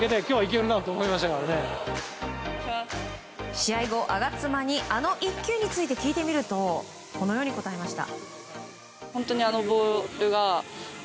試合後、我妻にあの１球について聞いてみるとこのように答えました。